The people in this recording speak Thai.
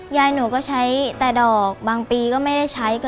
ยายหนูก็ใช้แต่ดอกบางปีก็ไม่ได้ใช้